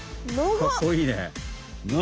かっこいいね！